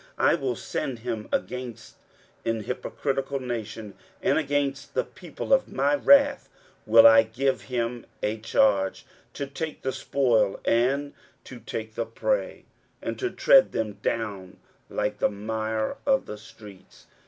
23:010:006 I will send him against an hypocritical nation, and against the people of my wrath will I give him a charge, to take the spoil, and to take the prey, and to tread them down like the mire of the streets.